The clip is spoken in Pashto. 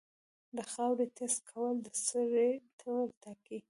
د خاورې ټیسټ کول د سرې ډول ټاکي.